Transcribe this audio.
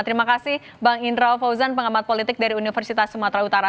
terima kasih bang indra fauzan pengamat politik dari universitas sumatera utara